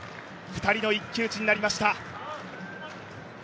２人の一騎打ちになりました。